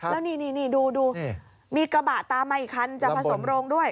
แล้วนี่ดูมีกระบะตามมาอีกคันจะผสมโรงด้วย